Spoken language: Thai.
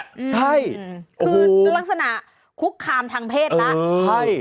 ใช่โอ้โฮคือลักษณะคุกคามทางเพศนะเออใช่